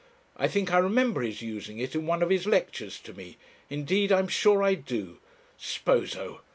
I think I remember his using it in one of his lectures to me; indeed I'm sure I do. Sposo!